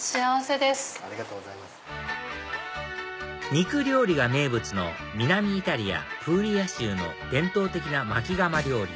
肉料理が名物の南イタリアプーリア州の伝統的な薪窯料理